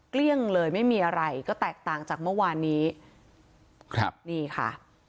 เกลี้ยงเลยไม่มีอะไรก็แตกต่างจากเมื่อวานนี้ครับนี่ค่ะ